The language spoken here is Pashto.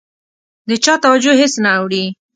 د چا توجه هېڅ نه اوړي.